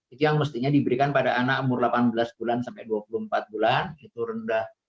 itu yang mestinya diberikan pada anak umur delapan belas bulan sampai dua puluh empat bulan itu rendah